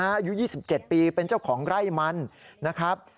อายุ๒๗ปีเป็นเจ้าของไร่มันนะครับ